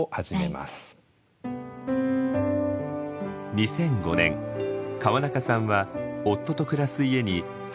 ２００５年川中さんは夫と暮らす家に母久子さんを呼びました。